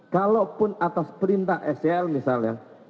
kalaupun atas perintah sel misalnya